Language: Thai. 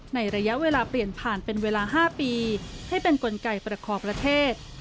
ระยะเวลาเปลี่ยนผ่านเป็นเวลา๕ปีให้เป็นกลไกประคองประเทศ